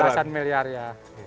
sudah belasan miliar ya